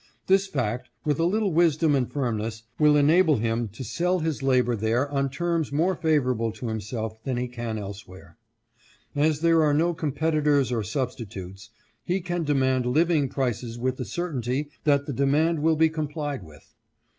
This fact, with a little wisdom and firmness, will enable him to sell his labor there on terms more favorable to himself than he can elsewhere. As there are no competitors or substitutes, he can demand living prices with the certainty that the demand will be complied with.